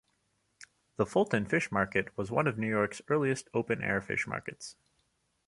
The Fulton Fish Market was one of New York's earliest open-air fish markets.